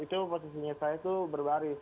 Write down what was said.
itu posisinya saya itu berbaris